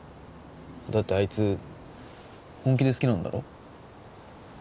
だってあいつ本気で好きなんだろ？